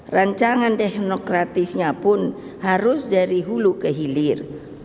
rancangan teknokratisnya pun harus dari hulu ke hilir